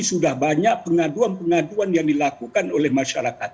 sudah banyak pengaduan pengaduan yang dilakukan oleh masyarakat